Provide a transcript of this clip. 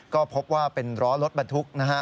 ก็พบว่าเป็นล้อรถบรรทุกนะฮะ